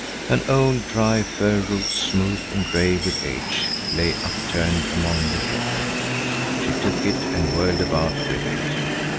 An old, dry fir root, smooth and gray with age, lay upturned among the heather. She took it and whirled about with it.